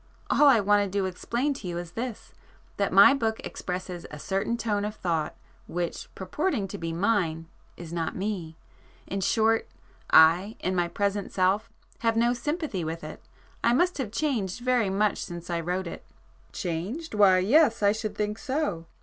All I wanted to explain to you is this,—that my book expresses a certain tone of thought which purporting to be mine, is not me,—in short, I, in my present self have no sympathy with it. I must have changed very much since I wrote it." "Changed? Why yes, I should think so!"